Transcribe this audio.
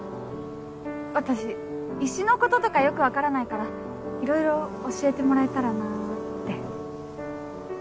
私石のこととかよく分からないから色々教えてもらえたらなって。